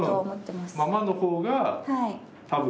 ままの方が多分。